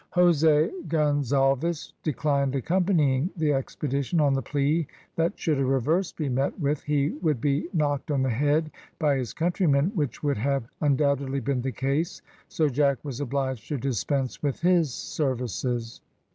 Jose Gonzalves declined accompanying the expedition, on the plea that should a reverse be met with, he would be knocked on the head by his countrymen, which would have undoubtedly been the case, so Jack was obliged to dispense with his services.